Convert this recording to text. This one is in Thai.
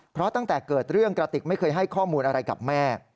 เพราะตั้งแต่เกิดเรื่องกระติกไม่เคยให้ข้อมูลอะไรกับแม่